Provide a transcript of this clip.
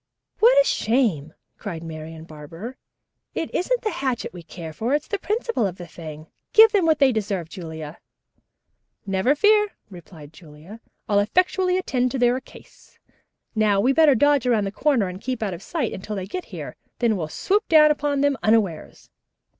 "What a shame!" cried Marian Barber. "It isn't the hatchet we care for, it's the principle of the thing. Give them what they deserve, Julia." "Never fear," replied Julia. "I'll effectually attend to their case. Now we'd better dodge around the corner and keep out of sight until they get here. Then we'll swoop down upon them unawares."